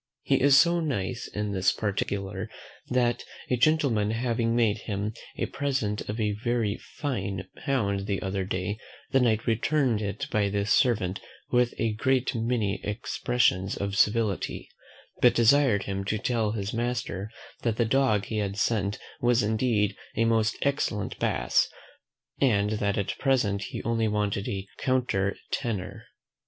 He is so nice in this particular, that a gentleman having made him a present of a very fine hound the other day, the Knight returned it by the servant with a great many expressions of civility; but desired him to tell his master, that the dog he had sent was indeed a most excellent BASS, but that at present he only wanted a COUNTER TENOR.